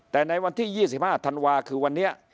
แต่ในวันที่๒๕ธันวาคคือวันนี้